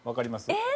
えっ？